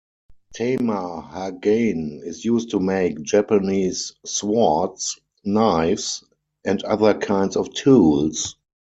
Tamahagane is used to make Japanese swords, knives, and other kinds of tools.